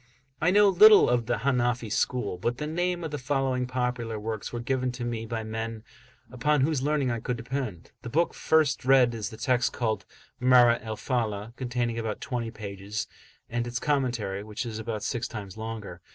[FN#28] I know little of the Hanafi school; but the name of the following popular works were given to me by men upon whose learning I could depend. The book first read is the text, called Marah al Falah, containing about twenty pages, and its commentary, which is about six times longer.